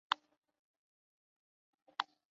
山号为龙口山。